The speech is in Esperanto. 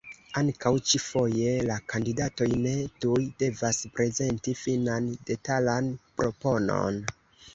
Ankaŭ ĉi-foje la kandidatoj ne tuj devas prezenti finan, detalan proponon.